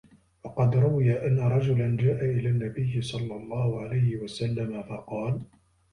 وَقَدْ رُوِيَ أَنَّ رَجُلًا جَاءَ إلَى النَّبِيِّ صَلَّى اللَّهُ عَلَيْهِ وَسَلَّمَ فَقَالَ